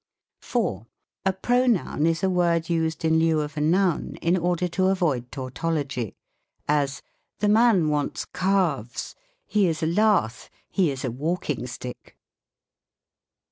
4. A Pronoun is a word used in lieu of a noun, in order to avoid tautology ; as, " The man wants calves; he is a lath ; he is a walking stick."